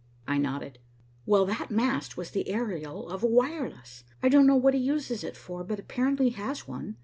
I nodded. "Well, that mast was the aerial of a wireless. I don't know what he uses it for, but apparently he has one.